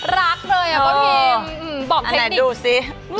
ลับเลยอ่ะพี่บอกเทคนิคอันไหนดูซิ